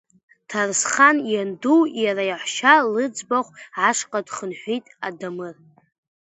Ҭарсхан ианду, иара иаҳәшьа лыӡбахә ашҟа дхынҳәит Адамыр.